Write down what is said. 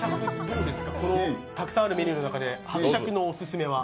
たくさんあるメニューの中で伯爵のオススメは？